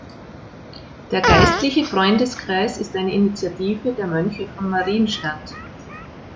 Der Geistliche Freundeskreis ist eine Initiative der Mönche von Marienstatt.